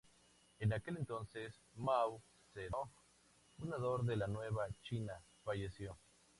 En aquel entonces, Mao Zedong, fundador de la nueva China, falleció.